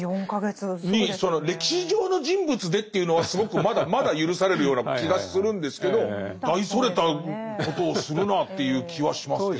歴史上の人物でというのはすごくまだまだ許されるような気がするんですけど大それたことをするなっていう気はしますけど。